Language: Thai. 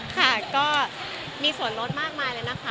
ค่ะก็มีส่วนลดมากมายเลยนะคะ